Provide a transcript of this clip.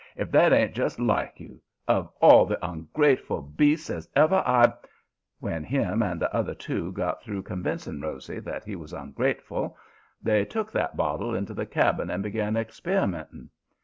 If that ain't just like you! Of all the ungrateful beasts as ever I ' "When him and the other two got through convincing Rosy that he was ungrateful, they took that bottle into the cabin and begun experimenting.